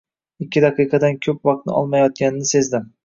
Ikki daqiqadan koʻp vaqtni olmayotganini sezdim.